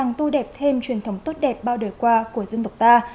hành tố đẹp thêm truyền thống tốt đẹp bao đời qua của dân tộc ta